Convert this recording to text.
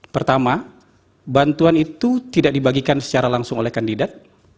pertama bantuan itu tidak dibagikan secara langsung oleh kandidat